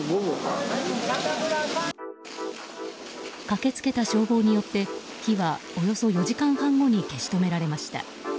駆けつけた消防によって火はおよそ４時間半後に消し止められました。